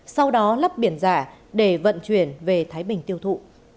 sau đó lắp biển giả để vận chuyển về thái bình tiêu thụ